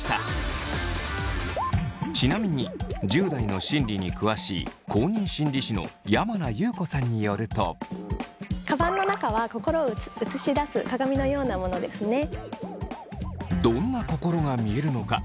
ちなみに１０代の心理に詳しい公認心理師の山名裕子さんによると。どんな心が見えるのか。